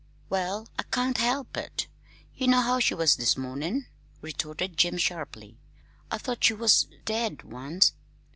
"Well, I can't help it! You know how she was this mornin'," retorted Jim sharply. "I thought she was dead once.